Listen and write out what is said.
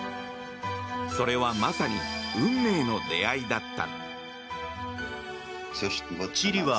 それはまさに運命の出会いだった。